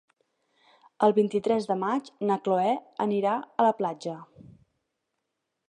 El vint-i-tres de maig na Cloè anirà a la platja.